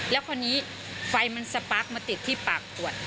แล้วคราวนี้ไฟมันสปาร์คมาติดที่ปากขวด